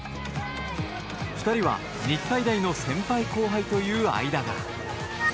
２人は、日体大の先輩後輩という間柄。